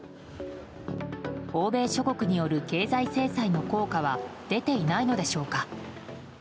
欧米諸国による経済制裁の効果は出ていないのでしょうか。